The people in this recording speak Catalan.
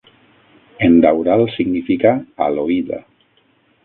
Endaural significa "a l'oïda".